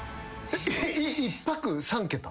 １泊３桁？